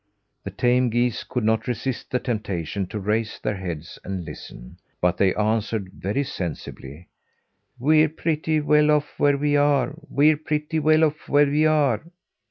The tame geese could not resist the temptation to raise their heads and listen, but they answered very sensibly: "We're pretty well off where we are. We're pretty well off where we are."